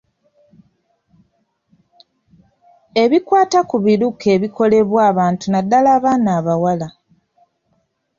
Ebikwata ku biruke ebikolebwa abantu naddala abaana abawala.